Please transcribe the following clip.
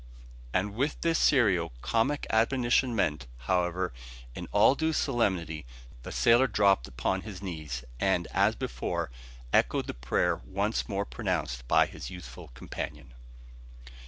And with this serio comic admonition meant, however, in all due solemnity the sailor dropped upon his knees, and, as before, echoed the prayer once more pronounced by his youthful companion.